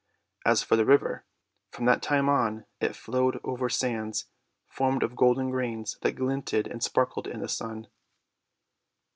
As for the river, from that time on it flowed over sands formed of golden grains that glinted and sparkled in the sun.